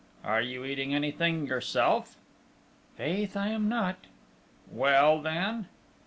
"Are you eating anything yourself?" "Faith, I am not!" "Well, then?"